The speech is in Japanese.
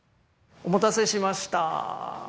お待たせしました。